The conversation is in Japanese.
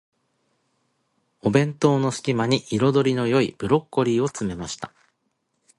お弁当の隙間に、彩りの良いブロッコリーを詰めました。